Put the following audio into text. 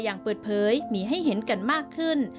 อย่างเปิดเผยมีให้เห็นกันมากขึ้น